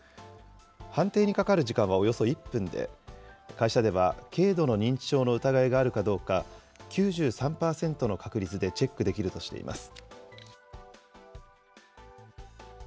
判定にかかる時間はおよそ１分で、会社では、軽度の認知症の疑いがあるかどうか、９３％の確率でチェックできるとしています。